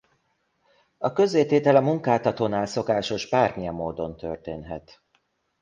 A közzététel a munkáltatónál szokásos bármilyen módon történhet.